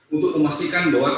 untuk memastikan bahwa